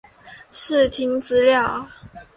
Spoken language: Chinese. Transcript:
视听资料